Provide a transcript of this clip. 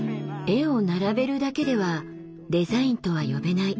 絵を並べるだけではデザインとは呼べない。